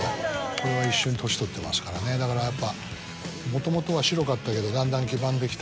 これは一緒に年取ってますからねだからやっぱもともとは白かったけどだんだん黄ばんできたり。